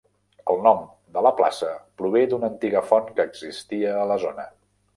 El nom de la plaça prové d'una antiga font que existia a la zona.